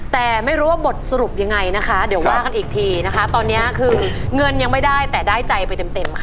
แต่ไม่รู้ว่าบทสรุปยังไงนะคะเดี๋ยวว่ากันอีกทีนะคะตอนนี้คือเงินยังไม่ได้แต่ได้ใจไปเต็มค่ะ